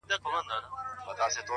پيرې مريد دې يمه پيرې ستا پيري کومه’